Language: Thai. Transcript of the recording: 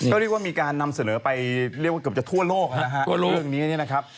ก็เรียกว่ามีการนำเสนอไปเรียกว่าเกือบจะทั่วโลกนะครับ